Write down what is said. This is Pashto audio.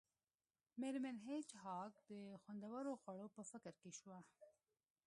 میرمن هیج هاګ د خوندورو خوړو په فکر کې شوه